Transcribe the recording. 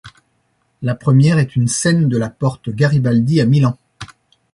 La première est une scène de la Porte Garibaldi à Milan.